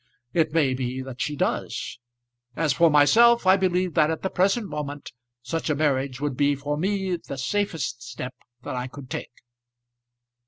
It may be that she does. As for myself, I believe that at the present moment such a marriage would be for me the safest step that I could take."